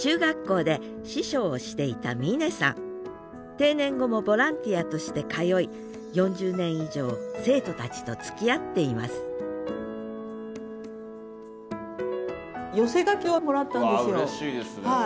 定年後もボランティアとして通い４０年以上生徒たちとつきあっていますわうれしいですねそれは。